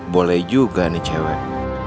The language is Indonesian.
boleh juga nih cewek